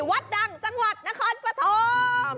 วัดดังจังหวัดนครพระทอง